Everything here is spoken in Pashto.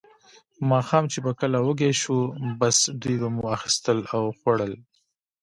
ماښام چې به کله وږي شوو، بس دوی به مو اخیستل او خوړل.